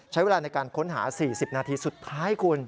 ใช้เวลาในการค้นหา๔๐นาทีสุดท้ายคุณ